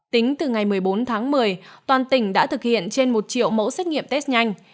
tính từ ngày một mươi bốn tháng một mươi toàn tỉnh đã thực hiện trên một triệu mẫu xét nghiệm test nhanh